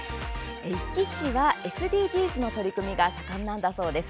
壱岐市はＳＤＧｓの取り組みが盛んなんだそうです。